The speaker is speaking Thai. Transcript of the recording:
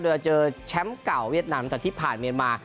เจอแชมป์เก่าเวียดนามจากที่ผ่านเมียนมา